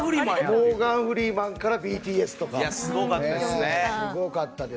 モーガン・フリーマンからＢＴＳという。